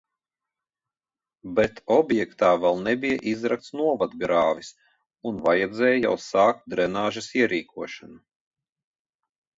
Bet objektā vēl nebija izrakts novadgrāvis un vajadzēja jau sākt drenāžas ierīkošanu.